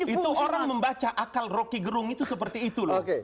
itu orang membaca akal rocky gerung itu seperti itu loh